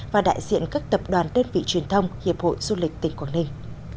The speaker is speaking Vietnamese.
và đại diện các tập đoàn đơn vị truyền thông hiệp hội du lịch tỉnh quảng ninh